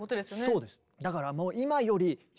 そうです。